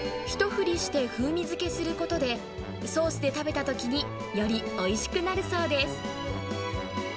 一振りして風味づけすることで、ソースで食べたときに、よりおいしくなるそうです。